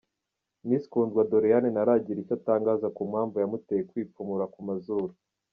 Miss Kundwa Doriane ntaragira icyo atangaza ku mpamvu yamuteye kwipfumura ku mazuru.